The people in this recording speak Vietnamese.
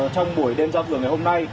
trong buổi đêm giao thưởng ngày hôm nay